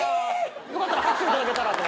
よかったら拍手頂けたらと。